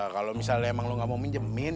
kalau misalnya emang lo gak mau minjemin